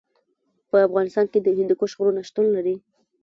په افغانستان کې د هندوکش غرونه شتون لري.